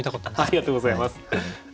ありがとうございます。